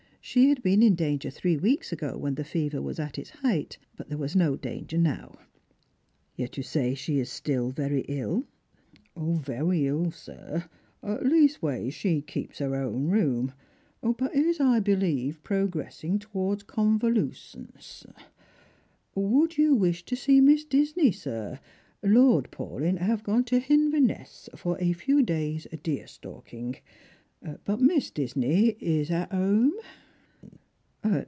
She had been in danger three weeks ago, when the fever was at its height ; but there was no danger now. " Yet you say that she \a still very ill." " Very ill, sir ; leastways, she keeps her own room ; but is, I believe, progressing towards convoluscence. Would you wish to see Miss Disney, sir ? Lord Paulyn have gone to Hinvernesa for a few days' deer stalking, but Miss Disney is at home."